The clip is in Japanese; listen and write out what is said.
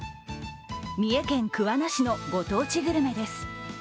三重県桑名市のご当地グルメです。